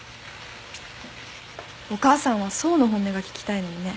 お母さんは想の本音が聞きたいのにね。